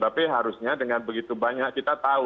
tapi harusnya dengan begitu banyak kita tahu